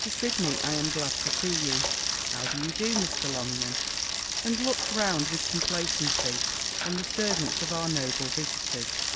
Sidney, I am glad to see you. How do you do, Mr. Longman?" and looked round with complacency on the servants of our noble visitors.